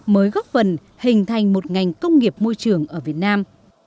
mới góp phần hình thành một ngành công nghiệp môi trường ở việt nam